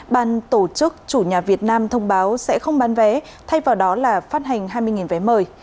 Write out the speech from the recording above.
ban tổ chức chủ nhà việt nam thông báo sẽ không bán vé thay vào đó là phát hành hai mươi vé mời